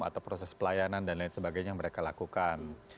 atau proses pelayanan dan lain sebagainya yang mereka lakukan